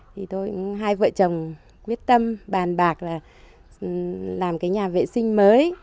thì tôi cũng hai vợ chồng quyết tâm bàn bạc là làm cái nhà vệ sinh mới